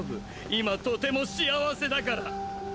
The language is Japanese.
今とても幸せだから。